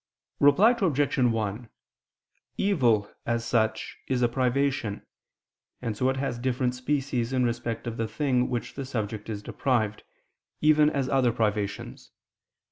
Reply Obj. 1: Evil, as such, is a privation, and so it has different species in respect of the thing which the subject is deprived, even as other privations.